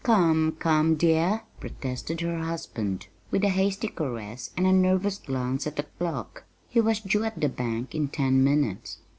"Come, come, dear," protested her husband, with a hasty caress and a nervous glance at the clock he was due at the bank in ten minutes.